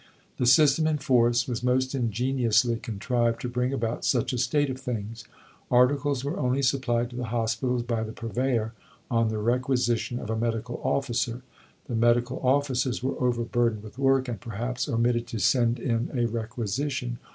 The system in force was most ingeniously contrived to bring about such a state of things. Articles were only supplied to the hospitals by the Purveyor on the requisition of a medical officer. The medical officers were overburdened with work, and perhaps omitted to send in a requisition.